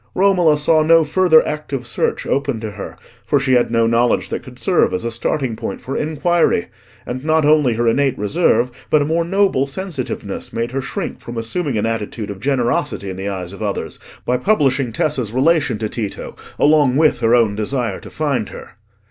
Romola saw no further active search open to her; for she had no knowledge that could serve as a starting point for inquiry, and not only her innate reserve but a more noble sensitiveness made her shrink from assuming an attitude of generosity in the eyes of others by publishing Tessa's relation to Tito, along with her own desire to find her.